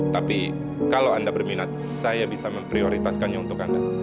tapi kalau anda berminat saya bisa memprioritaskannya untuk anda